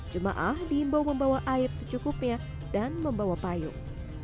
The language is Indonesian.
jemaah diimbau membawa air secukupnya dan membawa payung